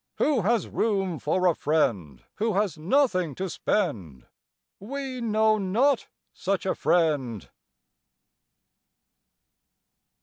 Who has room for a friend Who has nothing to spend? We know not such a friend.